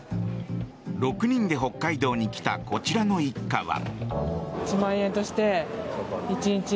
６人で北海道に来たこちらの一家は。